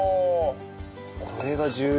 これが重要。